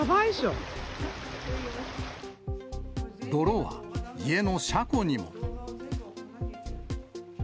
泥は家の車庫にも。